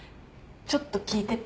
ちょっと聞いてて。